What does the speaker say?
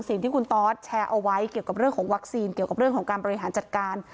สิ่งที่คุณตอสแชร์เอาไว้เกี่ยวกับเรื่องของวัคซีนเกี่ยวกับเรื่องของการบริหารจัดการ